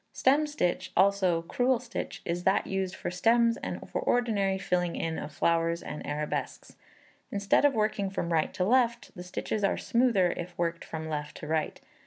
Stem stitch, also Crewel stitch, is that used for stems and for ordinary filling in of flowers and arabesques. Instead of working from right to left, the stitches are smoother if worked from left to right.